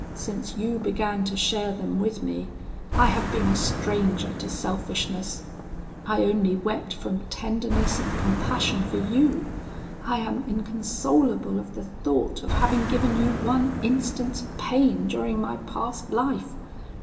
Since you began to share them with me, I have been a stranger to selfishness: I only wept from tenderness and compassion for you. I am inconsolable at the thought of having given you one instant's pain during my past life.